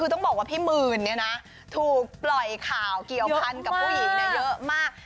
ต้องบอกว่าพี่มือเนี่ยนะถูกปล่อยข่าวเกี่ยวพันธุ์กับผู้หญิงเนี่ยเยอะมาก